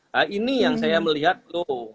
nah ini yang saya melihat loh